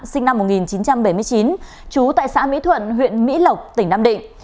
sinh năm một nghìn chín trăm bảy mươi chín trú tại xã mỹ thuận huyện mỹ lộc tỉnh nam định